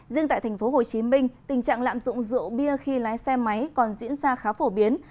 riêng tại tp hcm tình trạng lạm dụng rượu bia khi lái xe máy còn diễn ra khá phổ biến